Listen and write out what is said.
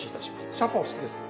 シャンパンお好きですか？